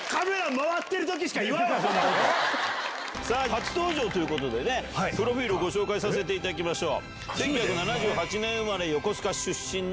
初登場ということでプロフィルをご紹介させていただきましょう。